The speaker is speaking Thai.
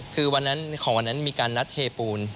คือวันนั้นของวันนั้นมีการนัดเทปูน